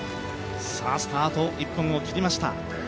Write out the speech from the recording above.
スタート１分を切りました。